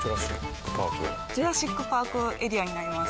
ジュラシック・パークエリアになります。